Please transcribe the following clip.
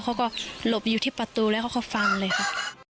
เขาก็หลบอยู่ที่ประตูแล้วเขาก็ฟังเลยค่ะ